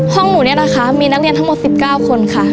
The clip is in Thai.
ห้องหนูเนี่ยนะคะมีนักเรียนทั้งหมด๑๙คนค่ะ